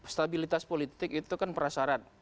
stabilitas politik itu kan prasyarat